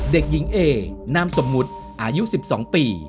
เด็กหญิงเอนามสมมุติอายุ๑๒ปี